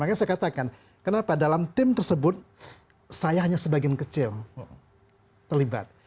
makanya saya katakan kenapa dalam tim tersebut saya hanya sebagian kecil terlibat